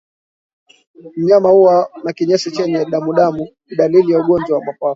Mnyama kuwa na kinyesi chenye damudamu ni dalili ya ugonjwa wa mapafu